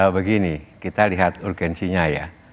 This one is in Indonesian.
begini kita lihat urgensinya ya